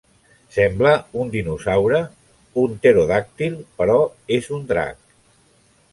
Sembla un dinosaure, un pterodàctil, però és un drac.